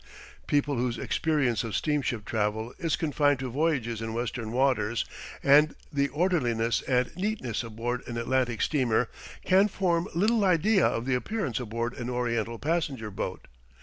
People whose experience of steamship travel is confined to voyages in western waters, and the orderliness and neatness aboard an Atlantic steamer, can form little idea of the appearance aboard an Oriental passenger boat.